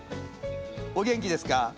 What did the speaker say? お元気ですか？